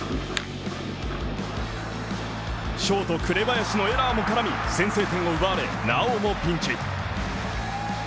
ショート紅林のエラーも絡み、先制点を奪われ、なおもピンチ。